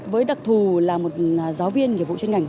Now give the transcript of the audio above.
với đặc thù là một giáo viên nghiệp vụ chuyên ngành